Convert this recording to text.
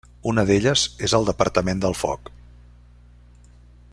Una d'elles és el departament del Foc.